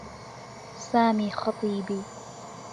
سامي خطيبي.